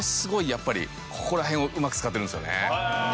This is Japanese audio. やっぱりここら辺をうまく使ってるんですよね。